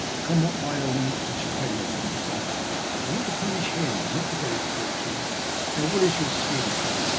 Come what may, I will not touch a penny of it myself. I want to punish him, not to get his fortune. Now what is your scheme